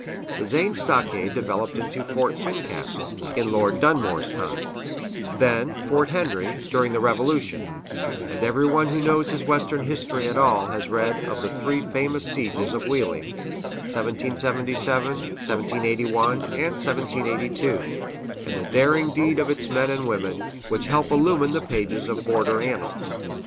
The Zane stockade developed into Fort Fincastle, in Lord Dunmore's time; then, Fort Henry, during the Revolution; and everyone who knows his Western history at all has read of the three famous sieges of Wheeling (1777, 1781, and 1782), and the daring deeds of its men and women, which help illumine the pages of border annals.